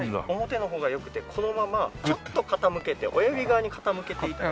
表の方がよくてこのままちょっと傾けて親指側に傾けて頂いて。